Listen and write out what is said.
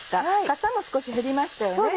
かさも少し減りましたよね。